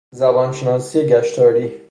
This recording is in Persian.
زبان شناسی گشتاری